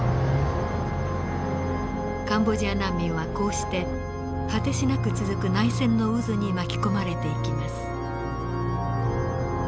カンボジア難民はこうして果てしなく続く内戦の渦に巻き込まれていきます。